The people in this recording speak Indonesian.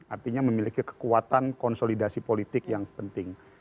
artinya memiliki kekuatan konsolidasi politik yang penting